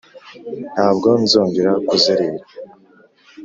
Ntabwo nzongera kuzerera